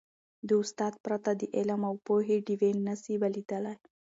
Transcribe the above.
د استاد پرته، د علم او پوهې ډېوي نه سي بلېدلی.